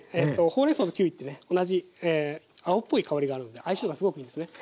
ほうれんそうとキウイってね同じ青っぽい香りがあるんで相性がすごくいいんですね。